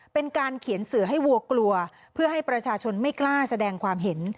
เป็นการเขียนสื่อให้วัวกลัวเพื่อให้ประชาชนไม่กล้าแสดงความเห็น